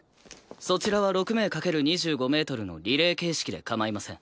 そちらは６名掛ける２５メートルのリレー形式で構いません。